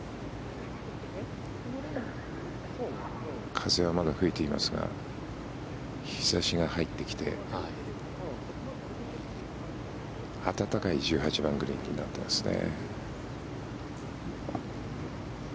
風はまだ吹いていますが日差しが入ってきて暖かい１８番グリーンになっていますね。